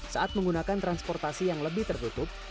saat menggunakan transportasi yang lebih tertutup